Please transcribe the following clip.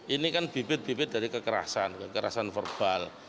ini kan bibit bibit dari kekerasan kekerasan verbal